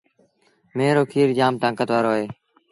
ميݩهن رو کير جآم تآݩڪت وآرو اهي۔